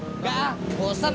enggak ah bosen